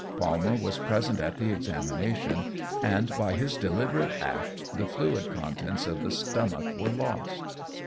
Palmer was present at the examination, and by his deliberate act the fluid contents of the stomach were lost.